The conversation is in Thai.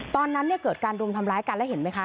ตอนนั้นเกิดการรุมทำร้ายกันแล้วเห็นไหมคะ